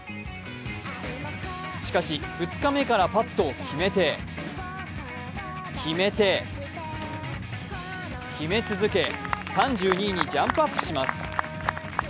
しかし、２日目からパットを決めて決めて、決め続け３２位にジャンプアップします。